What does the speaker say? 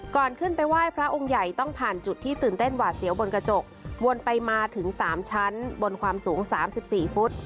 ก่อนขึ้นไปไหว้พระองค์ใหญ่ต้องผ่านจุดที่ตื่นเต้นหวาดเสียวบนกระจกวนไปมาถึง๓ชั้นบนความสูง๓๔ฟุต